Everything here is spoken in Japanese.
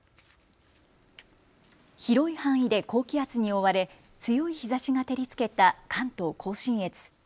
広い範囲で高気圧に覆われ強い日ざしが照りつけた関東甲信越。